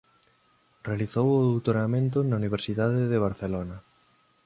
Realizou o doutoramento na Universidade de Barcelona.